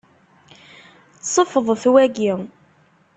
Ṣfeḍet wagi.